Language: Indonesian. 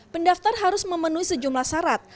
pendaftar harus memenuhi sejumlah syarat